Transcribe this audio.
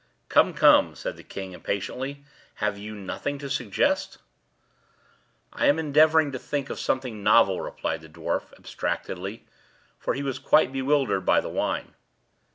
"Come, come," said the king, impatiently, "have you nothing to suggest?" "I am endeavoring to think of something novel," replied the dwarf, abstractedly, for he was quite bewildered by the wine.